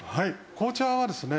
紅茶はですね